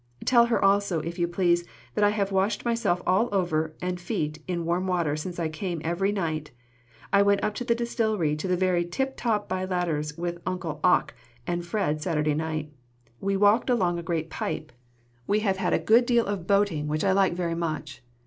Tell her also, if you please, that I have washed myself all over and feet in warm water since I came every night. I went up into the distillery to the very tip top by ladders with Uncle Oc and Fred Saturday night. We walked along a great pipe. We have had a good deal of boating which I like very much.